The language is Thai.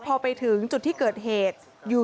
เพราะว่าพอไปถึงจุดที่เกิดเหตุ